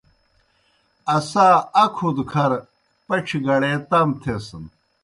اسا اکھوْ دہ کھر پڇھیْ گڑے تام تھیسَن۔